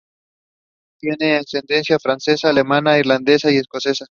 Tiene ascendencia francesa, alemana, irlandesa y escocesa.